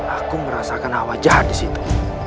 aku merasakan hawa jahat disitu